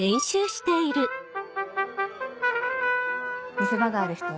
見せ場がある人は